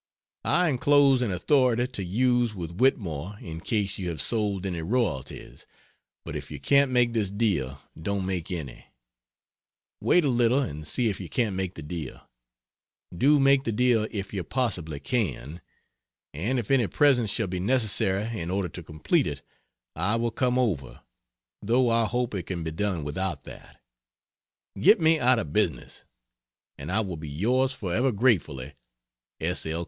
I enclose an authority to use with Whitmore in case you have sold any royalties. But if you can't make this deal don't make any. Wait a little and see if you can't make the deal. Do make the deal if you possibly can. And if any presence shall be necessary in order to complete it I will come over, though I hope it can be done without that. Get me out of business! And I will be yours forever gratefully, S. L.